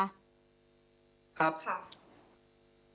ครับค่ะ